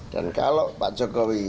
dan kalau pak jokowi